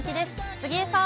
杉江さん。